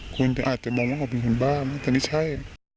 คุณอาจจะมองว่าเขาเป็นคนบ้ามั้งแต่นี่ใช่